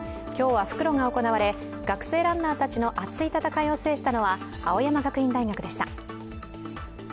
今日は復路が行われ、学生ランナーたちの熱い戦いを制したのは青山学院大学でした。